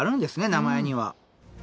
名前には。